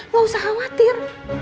gak usah khawatir